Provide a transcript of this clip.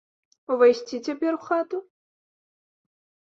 Увайсці цяпер у хату?